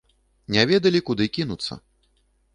Не ведалі, куды кінуцца.